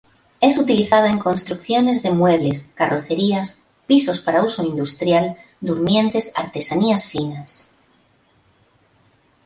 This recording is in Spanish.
Es utilizada en construcciones de muebles, carrocerías, pisos para uso industrial, durmientes, artesanías finas.